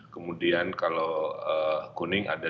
kemudian ada kategori yang berbeda